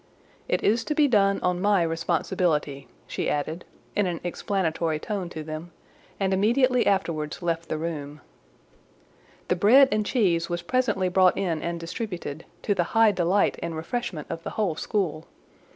"It is to be done on my responsibility," she added, in an explanatory tone to them, and immediately afterwards left the room. The bread and cheese was presently brought in and distributed, to the high delight and refreshment of the whole school.